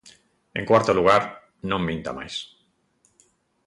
En cuarto lugar, non minta máis.